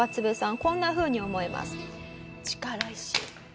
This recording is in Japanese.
こんなふうに思います。